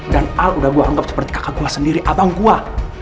dan al udah gua anggap seperti kakak gua sendiri abang gua